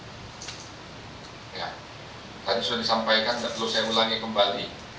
tidak perlu saya ulangi kembali